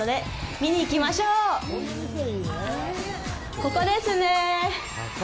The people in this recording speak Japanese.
ここですね。